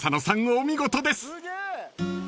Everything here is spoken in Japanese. お見事です］